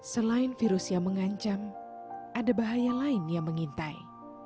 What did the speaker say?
selain virus yang mengancam ada bahaya lain yang mengintai